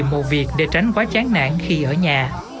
làm một việc để tránh quá chán nản khi ở nhà